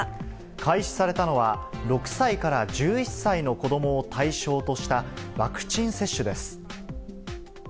開始されたのは、６歳から１１歳の子どもを対象としたワクチン接種です。